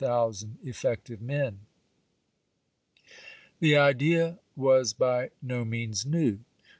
^sSsii' thousand effective men." The idea was by no means new.